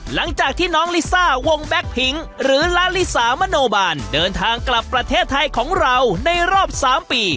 หลังจากที่น้องลิซ่าวงแบ็คพิงหรือลาลิสามโนบานเดินทางกลับประเทศไทยของเราในรอบ๓ปี